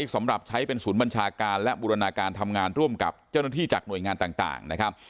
สำหรับใช้เป็นศูนย์บัญชาการและบูรณาการทำงานร่วมกับเจ้าหน้าที่จากหน่วยงานต่างนะครับ